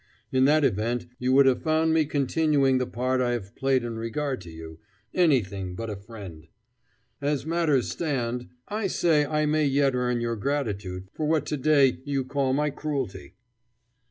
In that event, you would have found me continuing the part I have played in regard to you anything but a friend. As matters stand, I say I may yet earn your gratitude for what to day you call my cruelty."